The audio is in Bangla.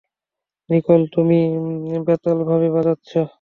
নিকোল, তুমি বেতালাভাবে বাজাচ্ছো।